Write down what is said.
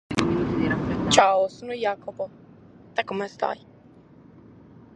Podet èssere siat de artària minore meda siat prus arta de una persone normale.